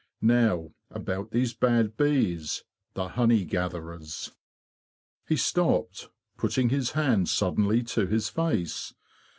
Now, about these bad bees, the honey gatherers——"' He stopped, putting his hand suddenly to his face.